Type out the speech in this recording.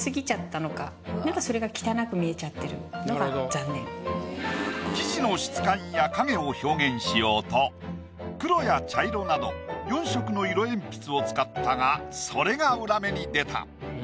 ちょっと生地の質感や影を表現しようと黒や茶色など４色の色鉛筆を使ったがそれが裏目に出た。